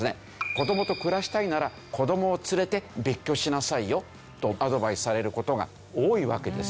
「子どもと暮らしたいなら子どもを連れて別居しなさいよ」とアドバイスされる事が多いわけですよね。